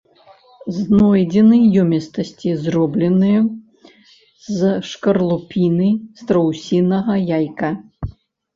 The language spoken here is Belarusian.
Знойдзены ёмістасці, зробленыя з шкарлупіны страусінага яйка.